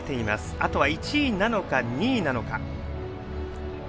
あとは１位なのか、２位なのか。